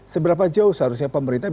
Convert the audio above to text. seberapa jauh seharusnya pemerintah